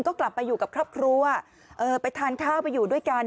ก็กลับไปอยู่กับครอบครัวไปทานข้าวไปอยู่ด้วยกัน